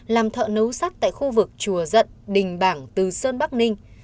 làm thợ nấu sắt tại khu vực chùa dận đình bảng từ sơn bắc ninh